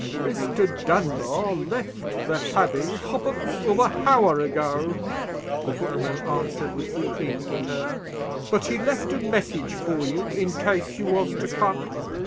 "Mr. Dunbar left the habbey uppards of a hour ago," the footman answered, with supreme hauteur; "but he left a message for you, in case you was to come.